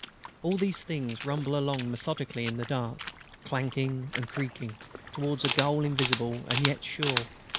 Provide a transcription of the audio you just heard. All these things rumble along methodically in the dark, clanking and creaking, towards a goal invisible and yet sure.